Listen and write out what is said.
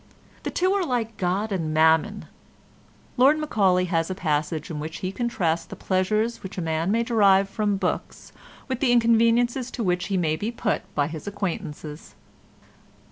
The two are like God and Mammon. Lord Macaulay has a passage in which he contrasts the pleasures which a man may derive from books with the inconveniences to which he may be put by his acquaintances.